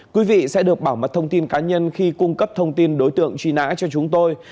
quý vị sẽ được bảo mật thông tin cá nhân khi cung cấp thông tin đối tượng truy nã cho chúng tôi